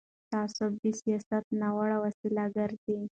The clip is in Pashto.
تعصب د سیاست ناوړه وسیله ګرځي